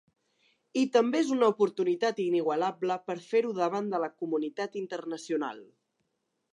I també és una oportunitat inigualable per fer-ho davant de la comunitat internacional.